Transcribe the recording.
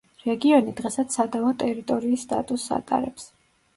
რეგიონი დღესაც სადავო ტერიტორის სტატუსს ატარებს.